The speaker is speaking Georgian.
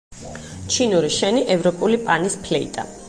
ჩინური შენი, ევროპული პანის ფლეიტა.